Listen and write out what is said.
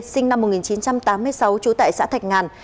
sinh năm một nghìn chín trăm tám mươi sáu trú tại xã thạch ngàn